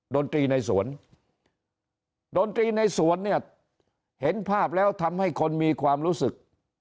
ดนตรีในสวนดนตรีในสวนเนี่ยเห็นภาพแล้วทำให้คนมีความรู้สึก